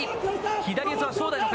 左四つは正代の形。